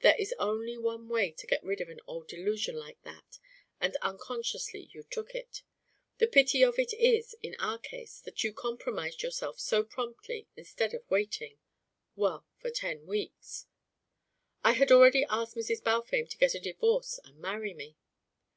There is only one way to get rid of an old delusion like that, and unconsciously you took it! The pity of it is, in our case, that you compromised yourself so promptly, instead of waiting well, for ten weeks!" "I had already asked Mrs. Balfame to get a divorce and marry me."